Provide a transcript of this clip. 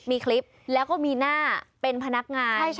มีคลิปแล้วก็มีหน้าเป็นพนักงาน